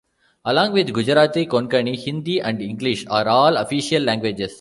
Along with Gujarati, Konkani, Hindi and English are all official languages.